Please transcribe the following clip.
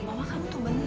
mama kamu tuh bener